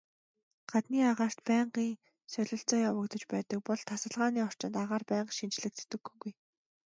Гаднын агаарт байнгын солилцоо явагдаж байдаг бол тасалгааны орчинд агаар байнга шинэчлэгддэггүй.